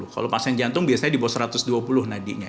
kalau pasien jantung biasanya di bawah satu ratus dua puluh nadinya